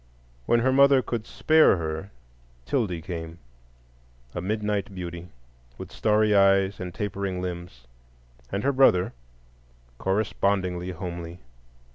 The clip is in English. When her mother could spare her, 'Tildy came,—a midnight beauty, with starry eyes and tapering limbs; and her brother, correspondingly homely.